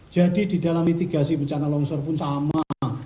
jadi di dalam mitigasi pencana longsor pun sama